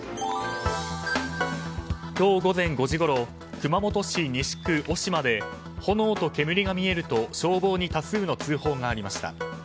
今日午前５時ごろ熊本市西区小島で炎と煙が見えると消防に多数の通報がありました。